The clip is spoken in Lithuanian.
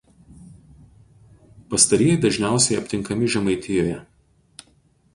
Pastarieji dažniausiai aptinkami Žemaitijoje.